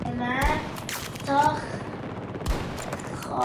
Easily disturbed by day and flies in sunshine.